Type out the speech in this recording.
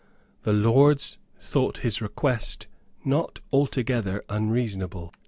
The Lords thought his request not altogether unreasonable.